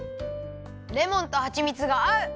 レモンとはちみつがあう！